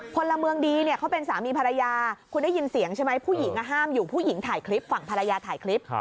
พลเมืองดีเนี่ยเขาเป็นสามีภรรยาคุณได้ยินเสียงใช่ไหมผู้หญิงห้ามอยู่ผู้หญิงถ่ายคลิปฝั่งภรรยาถ่ายคลิป